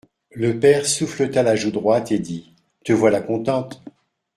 Le père souffleta la joue droite et dit :, Te voilà contente.